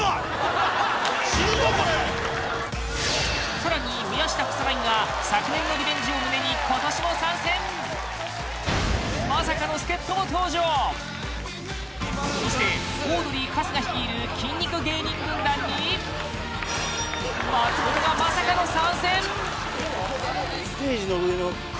さらに宮下草薙が昨年のリベンジを胸に今年も参戦も登場そしてオードリー春日率いる筋肉芸人軍団に松本がまさかの参戦！